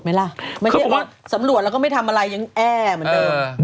ไหมล่ะเขาบอกว่าไม่ได้ว่าสำรวจแล้วก็ไม่ทำอะไรยังแอ่เหมือนเดิม